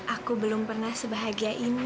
aku belum pernah sebahagia ini